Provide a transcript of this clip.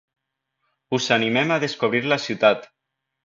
Us animem a descobrir la ciutat!